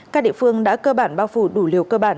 các địa phương đã cơ bản bao phủ đủ liều cơ bản